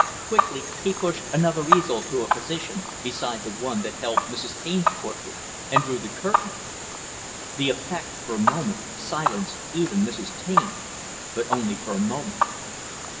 Quickly he pushed another easel to a position beside the one that held Mrs. Taine's portrait, and drew the curtain. The effect, for a moment, silenced even Mrs. Taine but only for a moment.